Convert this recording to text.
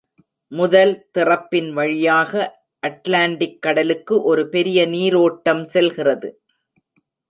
முதல் திறப்பின் வழியாக அட்லாண்டிக் கடலுக்கு ஒரு பெரிய நீரோட்டம் செல்கிறது.